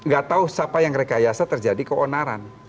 gak tahu siapa yang rekayasa terjadi keonaran